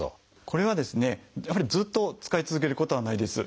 これはですねやはりずっと使い続けることはないです。